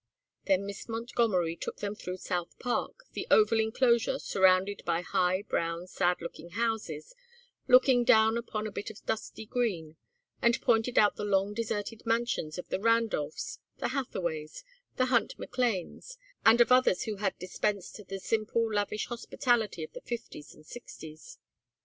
Then Miss Montgomery took them through South Park, the oval enclosure, surrounded by high brown sad looking houses looking down upon a bit of dusty green, and pointed out the long deserted mansions of the Randolphs, the Hathaways, the Hunt McLanes, and of others who had dispensed the simple lavish hospitality of the Fifties and Sixties.